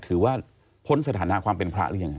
ถือว่าพ้นสถานะความเป็นพระหรือยัง